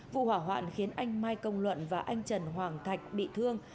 vụ hỏa hoạn khiến anh mai công luận và anh trần hoàng thạch bị thương